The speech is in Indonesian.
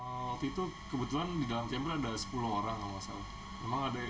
waktu itu kebetulan di dalam chamber ada sepuluh orang